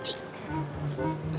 iya suka lucu kelinci